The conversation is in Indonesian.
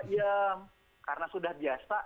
ya karena sudah biasa